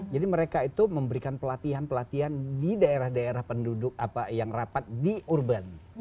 jadi mereka itu memberikan pelatihan pelatihan di daerah daerah penduduk apa yang rapat di urban